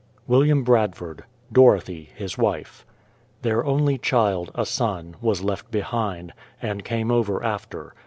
WILLIAM BRADFORD; Dorothy, his wife. Their only child, a son, was left behind, and came over after.